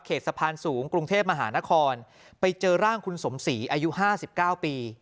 สะพานสูงกรุงเทพมหานครไปเจอร่างคุณสมศรีอายุ๕๙ปี